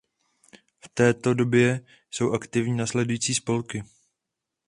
V této době jsou aktivní následující spolky.